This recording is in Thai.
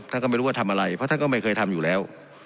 ท่านก็ไม่รู้ว่าทำอะไรเพราะท่านก็ไม่เคยทำอยู่แล้ว